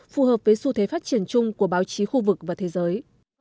phù hợp với xu thế phát triển chung của báo chí khu vực và thế giới